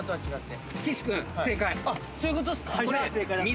そういうことっすか。